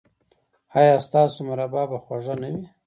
ایا ستاسو مربا به خوږه نه وي؟